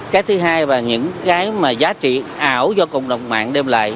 cái thứ hai là những cái mà giá trị ảo do cộng đồng mạng đem lại